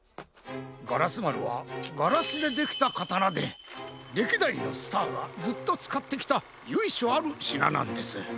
ガラスまるはガラスでできたかたなでれきだいのスターがずっとつかってきたゆいしょあるしななんです。